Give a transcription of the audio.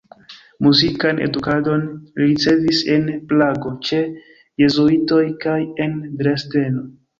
Muzikan edukadon li ricevis en Prago ĉe jezuitoj kaj en Dresdeno.